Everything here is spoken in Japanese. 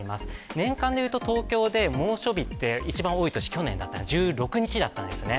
年間でいうと、東京で猛暑日が一番多い年は去年で１６日だったんですね。